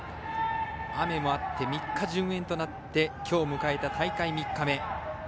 雨もあって３日順延となってきょう迎えた大会３日目。